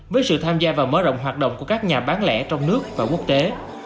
với sự tham gia và mở rộng hoạt động của các nhà bán lẻ trong nước và quốc tế